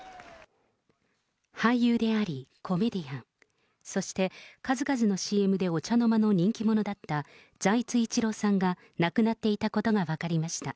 俳優でありコメディアン、そして数々のＣＭでお茶の間の人気者だった財津一郎さんが亡くなっていたことが分かりました。